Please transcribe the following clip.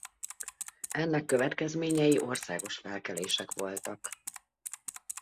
Ennek következményei országos felkelések voltak.